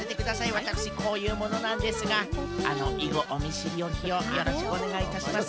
わたくしこういうものなんですがあのいごおみしりおきをよろしくおねがいいたします。